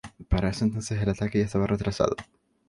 Para ese entonces el ataque ya estaba retrasado.